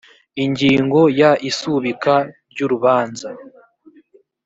ingingo ya isubika ry urubanza